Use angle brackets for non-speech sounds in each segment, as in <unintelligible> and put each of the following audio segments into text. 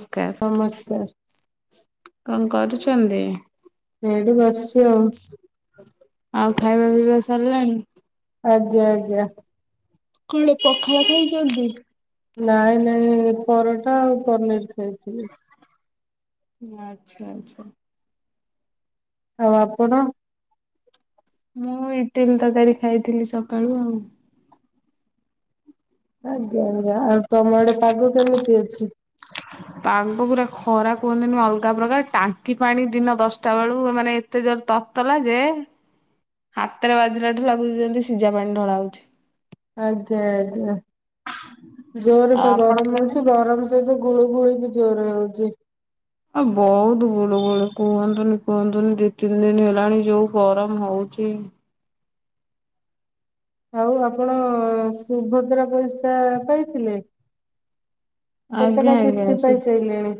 ସ୍କାର ନମସ୍କାର। କଣ କରୁଛନ୍ତି? ଏଇଠି ବସିଚି ଆଉ। ଆଉ ଖାଇବା ପିଇବା ସାରିଲାଣି? ଆଜ୍ଞା ଆଜ୍ଞା। କଣ ପଖାଳ ଖାଇଛନ୍ତି? ନାଇଁ ନାଇଁ ପରଟା ଆଉ ପନିର୍ ଖାଇଥିଲି। ଆଚ୍ଛା ଆଚ୍ଛା। ଆଉ ଆପଣ? ମୁଁ ଇଟିଲୀ ତରକାରୀ ଖାଇଥିଲି ସକାଳୁ ଆଉ। ଆଜ୍ଞା ଆଜ୍ଞା। ଆଉ ତମ ଆଡେ ପାଗ କେମିତି ଅଛି? ପାଗ ପୁରା ଖରା କୁହନ୍ତିନି ଅଲଗା ପ୍ରକାର, ଟାଙ୍କି ପାଣି ଦିନ ଦଶଟା ବେଳୁ ମାନେ ଏତେ ଜୋର ତତଲା ଯେ, ହାତରେ ବଜିଲା ଠୁ ଲାଗୁଛି ଯେମିତି ସିଝା ପାଣି ଢଳା ହଉଛି। ଆଜ୍ଞା ଆଜ୍ଞା। ଜୋର ଆଉ ବା ଆପଣ ଗରମ ଖାଇଲେ? ହଉଛି। ଗରମ ସହିତ ଗୁଳୁ ଗୁଳି ବି ଜୋର ହଉଛି ଆ ବହୁତ ଗୁଳୁଗୁଳି କୁହନ୍ତୁନି କୁହନ୍ତୁନି ଦି ତିନି ଦିନ ହେଲାଣି ଯୋଉ ଗରମ ହଉଛି ଆଉ ଆପଣ ସୁଭଦ୍ରା ପଇସା ପାଇଥିଲେ। ଆଜ୍ଞା କେତେଟା ଆଜ୍ଞା କିସ୍ତି ପାଇ ସାଇଲେଣି?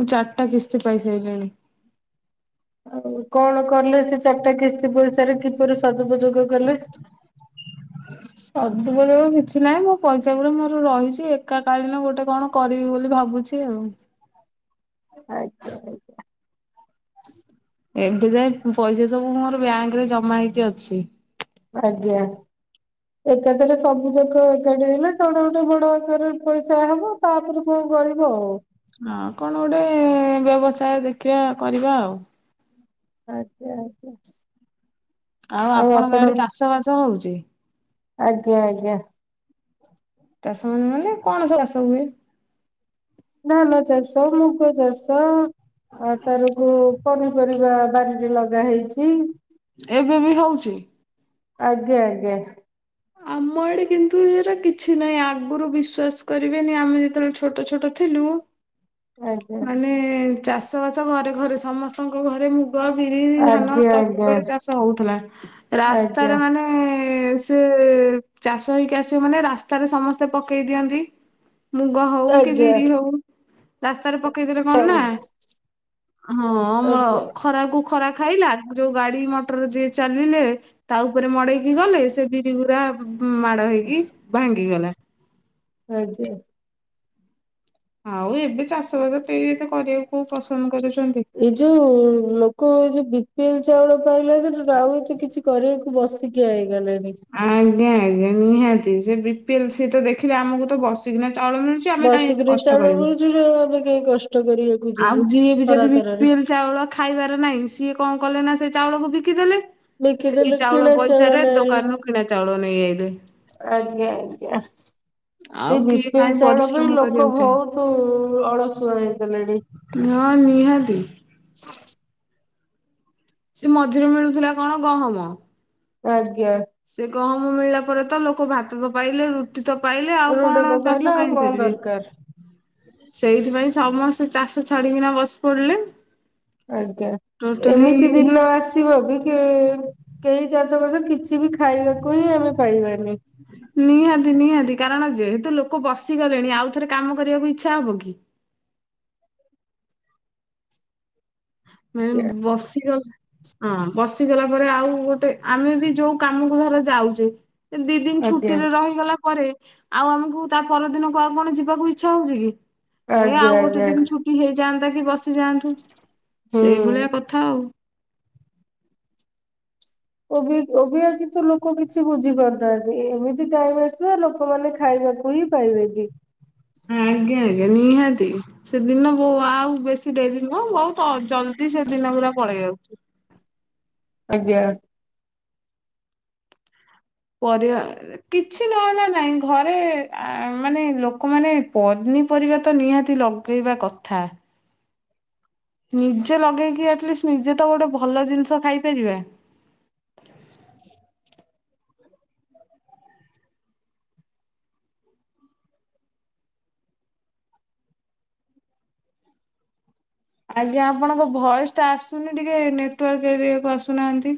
ମୁଁ ଚାରିଟା କିସ୍ତି ପାଇସାରିଲିଣି କଣ କଲେ ସେ ଚାରିଟା କିସ୍ତି ପଇସାରେ କିପରି ସଦୁପଯୋଗ କଲେ ସଦୁପ ଯୋଗ କିଛି ନାହିଁ ମୋ ପଇସା ଗୁଡା ମୋର ରହିଛି ଏକାକାଳୀନ ଗୋଟେ କଣ କରିବି ବୋଲି ଭାବୁଛି ଆଉ ଆ <unintelligible> ଏମିତି ଯେ ପଇସା ସବୁ ମୋର ବ୍ୟାଙ୍କରେ ଜମା ହେଇକି ଅଛି ଆଜ୍ଞା ଏକାଥରେ ସବୁ ଯାକ ଏକାଠି ହେଲେ ତଡେ ଗୋଟେ ବଡ ଏକରେ ପଇସା ହବ ତାପରେ କୋଉ ଗରିବ ଆଉ ହଁ ଆଉ କଣ ଗୋଟେ ବ୍ୟବସାୟ ଦେଖିବା କରିବା ଆଉ ଆଜ୍ଞା ଆଜ୍ଞା ଆଉ ଆପଣଙ୍କ ଏଠି ଚାଷ ବାସ ହଉଛି? ଆଜ୍ଞା ଆଜ୍ଞା ଚାଷ ମାନ ନାନଲେ କଣ ସବୁ ଚାଷ ହୁଏ? ଧାନ ଚାଷ ମୁଗ ଚାଷ ଆଉ ତାରକୁ ପନିପରିବା ବାରିରେ ଲଗା ହେଇଛି ଏବେ ବି ହଉଛି ଆଜ୍ଞା ଆଜ୍ଞା ଆମ ଆଡେ କିନ୍ତୁ ଏରା କିଛି ନାହିଁ ଆଗରୁ ବିଶ୍ଵାସ କରିବେନି ଆମେ ଯେତେବେଳେ ଛୋଟ ଛୋଟ ଥିଲୁ ଆଜ୍ଞା ମାନେ ଚାଷ ବାସ ଘରେ ଘରେ ସମସ୍ତଙ୍କ ଘରେ ମୁ ଗ ବିରି ଧାନ ଆଜ୍ଞା ଆଜ୍ଞା ଆଜ୍ଞା ସବୁବେଳେ ଚାଷ ହଉଥିଲା ରାସ୍ତାରେ ଆଜ୍ଞା। ମାନେ ସେ ଚାଷ ହେଇକି ଆସିବେ ମାନେ ରାସ୍ତାରେ ସମସ୍ତେ ପକେଇ ଦିଅନ୍ତି। ମୁଗ ହଉ କି ଆଜ୍ଞା ବିରି ହଉ ରାସ୍ତାରେ ପକେଇଥିଲେ କଣ ନା ହଁ ଅମଳ ଆଜ୍ଞା ଖରାକୁୁ ଖରା ଖାଇଲା ଯୋଉ ଗାଡି ମଟର ଯିଏ ଚାଲିଲେ ତା ଉପରେ ମଡେଇକି ଗଲେ ସେ ବିରି ଗୁରା ମାଡ ହେଇକି ଭାଙ୍ଗି ଗଲା ଆଁ ଯା ଆଉ ଏବେ ଚାଷବାସ କେ ଏତେ କରିବାକୁ ପସନ୍ଦ କରୁଛନ୍ତି ଏଇ ଯୋଉ ଲୋକ ଏ ଯୋଉ ବିପିଏଲ ଚାଉଳ ପାଇଲେ ସେଠ ଆଉତ କିଛି କରିବାକୁ ବସିକିଆ ହେଇଗଲେଣି ଆଜ୍ଞା ଆଜ୍ଞା ନିହାତି ସେ ବି ପିଏଲ ସିଏ ତ ଦେଖିଲେ ଆମକୁ ତ ବସିକିନା ଚାଉଳ ମିଳୁଚି ବସିକରି ଚାଉଳ ମିଳୁଛି ଆଉ ଏଇନା କିଏ କଷ୍ଟ କରି ଆଉ ଯିଏ ବି ଯଦି ବି ପିଏ ଲ ଚାଉଳ ଖାଇବାର ନାହିଁ ସିଏ କଣ କଲେ ନା ସେ ଚାଉଳକୁ ବିକିଦେଲେ ସେଇ ବିକିଦେଲେ ଚାଉଳ କିଣା ପଇସା ରେ ମିଳିଲା। ଦୋକାନରୁୁ କିଣା ଚାଉଳ ନେଇଆଇଲେ ଆଜ୍ଞା ଆଜ୍ଞା ଆଉ ସେ କିଏ ବିପିଏଲ କାହିଁ ଚାଉଳ ପାଇଁ ପରିଶ୍ରମ ଲୋକ କରିବାକୁ ଚାହିଁବ ବହୁତ ଅଳସୁଆ ହେଇଗଲେଣି ନାଆ ନିହାତି ସେ ମଝିରେ ମିଳୁଥିଲା କଣ ଗହମ ଆଜ୍ଞା ସେ ଗହମ ମିଳିଲା ପରେ ତ ଲୋକ ଭାତ ତ ପାଇଲେ ରୁ ଟିତ ପାଇଲେ ଆଉ ରୁଟି କଣ ତ ପାଇଲା ଚାଷ ଆଉ କାହିଁ କଣ କରିବେ ଦରକାର ସେଇଥିପାଇଁ ସମସ୍ତେ ଚାଷ ଚ୍ଛାଡିକିନା ବସି ପଡିଲେ ଆଜ୍ଞା ଏମିତି ଟୋଟାଲି ଦିନ ଆସ ଟି ଭାବିଥିବେ କେଇ ଚାଷ କଷ କିଛି ବି ଖାଇବାକୁ ହିଁ ଆମେ ପାଇବାନି ନିହାତି ନିହାତି କାରଣ ଯେହେତୁ ଲୋକ ବସିଗଲେଣି ଆଉ ଥରେ କାମ କରିବାକୁ ଇଚ୍ଛା ହବ କି ଆଜ୍ଞା ମାନେ ବସିଗଲା ହଁ ବସିଗଲା ପରେ ଆଉ ଗୋଟେ ଆମେ ବି ଯୋଉ କାମକୁ ଧର ଯାଉଚେ ସେ ଦି ଦିନ ଆଜ୍ଞା ଛୁଟିରେ ରହିଗଲା ପରେ ଆଉ ଆମକୁ ତା ପରଦିନ କ ଆଉ କଣ ଯିବାକୁ ଇଚ୍ଛା ହଉଛି କି ଏ ଆଜ୍ଞା ଆଉ ଗୋଟେ ଆଜ୍ଞା ଦିନ ଛୁ ଟି ହେଇଯାଆନ୍ତା କି ବସିଯାଆନ୍ତୁ ହୁଁ। ସେଇଭଳିଆ କଥା ଆଉ। ଓ ବି ଓ ବି ଆ କିଛି ଲୋକ କିଛି ବୁଝି ପାରୁିଥାହାନ୍ତି ଏମିତି ଟାଇମ ଆସିବ ଲୋକମାନେ ଖାଇବାକୁ ହିଁ ପାଇିବେନି କେହି। ଆଜ୍ଞା ଆଜ୍ଞା ନିହାତି ସେଦିନ ବୋ ଆଉ ବେଶୀ ଡେରି ନୁହଁ ବହୁତ ତ ଜଲ୍ଦି ସେ ଦିନ ପୁରା ପଳେଇ ଆାଉ ଆଜ୍ଞା। ପରିବା ଆଁ କିଛି ନହେଲା ନାଇଁ ଘରେ ଆ ମାନେ ଲୋକମାନେ ପନିପରିବା ତ ନିହାତି ଲ ଗେଇବା କଥା। ନିଜେ ଲଗେଇକି ଆଟଲିଷ୍ଟ ନିଜେ ତ ଗୋଟେ ଭଲ ଜିନିଷ ଖାଇପାରିବା। ଆଜ୍ଞା ଆପଣଙ୍କ ଭଏସ ଟା ଆସୁନି ଟିକେ ନେଟୱାର୍କ ଏରିଆକୁ ଆସୁନାହାନ୍ତି।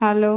ହ୍ୟାଲୋ।